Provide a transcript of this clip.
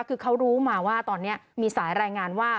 คือเขารู้มาว่าตอนนี้มีสายรายงานว่า